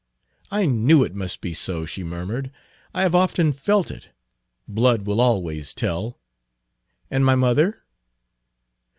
"I knew it must be so," she murmured. "I have often felt it. Blood will always tell. And my mother?"